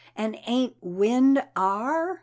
And aint wind are?